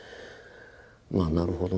まあなるほどね